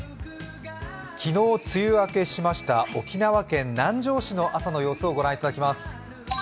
昨日、梅雨明けしました沖縄県南城市の朝の様子をご覧いただきます。